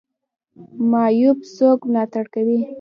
معیوب څوک ملاتړ کوي؟